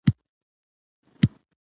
:کندهار ښاروالي د ښار د پاکوالي،